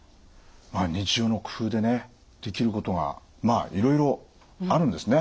日常の工夫でねできることがまあいろいろあるんですね。